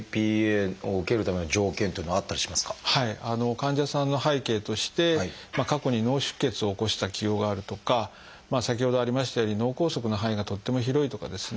患者さんの背景として過去に脳出血を起こした既往があるとか先ほどありましたように脳梗塞の範囲がとっても広いとかですね